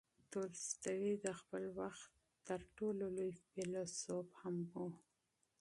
تولستوی د خپل وخت تر ټولو لوی فیلسوف هم و.